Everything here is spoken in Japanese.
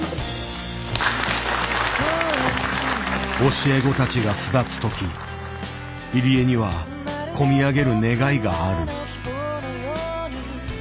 教え子たちが巣立つ時入江にはこみ上げる願いがある。